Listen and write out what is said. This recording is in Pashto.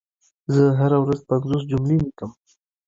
زه هره ورځ پنځوس جملي ليکم شوي